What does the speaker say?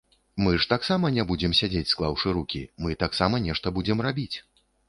Мы ж таксама не будзем сядзець склаўшы рукі, мы таксама нешта будзем рабіць.